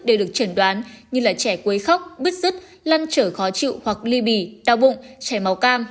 để được chẩn đoán như trẻ quấy khóc bứt rứt lăn trở khó chịu hoặc ly bì đau bụng trẻ máu cam